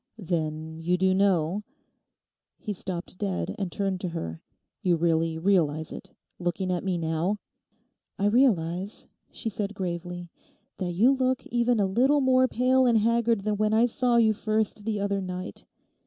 'Then you do know—?' He stopped dead, and turned to her. 'You really realise it, looking at me now?' 'I realise,' she said gravely, 'that you look even a little more pale and haggard than when I saw you first the other night.